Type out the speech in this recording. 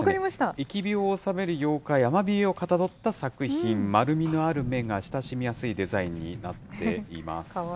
疫病を収める妖怪、アマビエをかたどった作品、丸みのある目が親しみやすいデザインになっています。